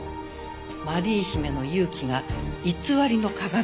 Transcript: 「マリー姫の勇気が偽りの鏡を砕く」。